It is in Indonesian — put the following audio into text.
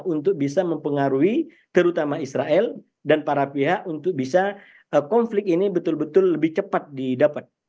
untuk bisa mempengaruhi terutama israel dan para pihak untuk bisa konflik ini betul betul lebih cepat didapat